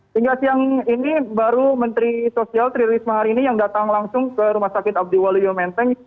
hingga siang ini baru menteri sosial tri risma hari ini yang datang langsung ke rumah sakit abdiwaluyo menteng